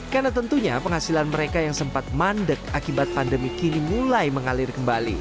karena tentunya penghasilan mereka yang sempat mandek akibat pandemi kini mulai mengalir kembali